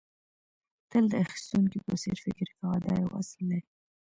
تل د اخيستونکي په څېر فکر کوه دا یو اصل دی.